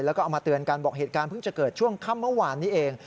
แล้วก็เอามาเตือนกันบอกเหตุการณ์เพิ่งจะเกิดช่วงค่ำเมื่อวานนี้เอง